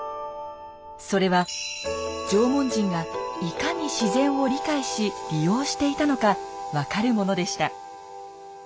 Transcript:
それは縄文人がいかに自然を理解し利用していたのか分かるものでした。